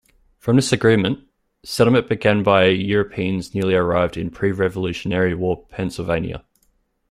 From this agreement, settlement began by Europeans newly arrived in pre-Revolutionary War Pennsylvania.